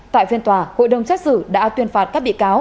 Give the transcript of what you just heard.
tại phiên tòa hội đồng xét xử đã tuyên phạt các bị cáo